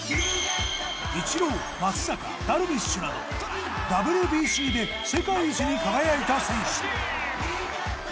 イチロー松坂ダルビッシュなどＷＢＣで世界一に輝いた選手。